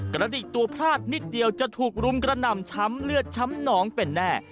กระดิกตัวพลาดนิดเดียวจะถูกรุมกระหน่ำช้ำเลือดช้ำหนองเป็นแน่